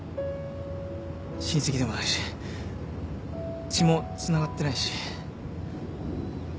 親戚でもないし血もつながってないし。